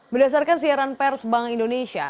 berdasarkan siaran pers bank indonesia